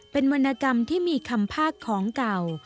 เป็นวรรณกรรมที่มีคำภาคของเก่า